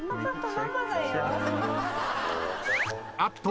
あっと。